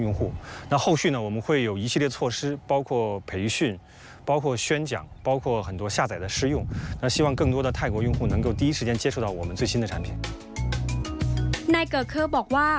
นายเกอร์เคอร์บอกว่า